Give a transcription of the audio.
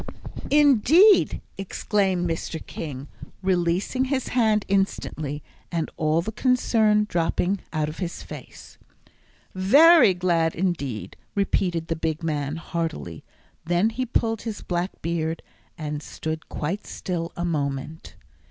"Indeed!" exclaimed Mr. King, releasing his hand instantly, and all the concern dropping out of his face. "Very glad indeed!" repeated the big man, heartily; then he pulled his black beard, and stood quite still a moment.